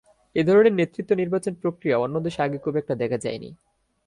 এ ধরনের নেতৃত্ব নির্বাচন প্রক্রিয়া অন্য দেশে আগে খুব একটা দেখা যায়নি।